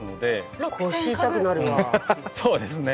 そうですね。